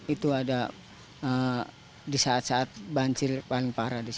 itu ada di saat saat banjir paling parah di sana